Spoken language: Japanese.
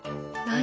何？